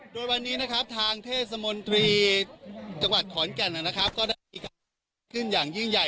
โดยวันนี้นะครับทางเทศมนตรีจังหวัดขอนแก่นนะครับก็ได้มีการขึ้นอย่างยิ่งใหญ่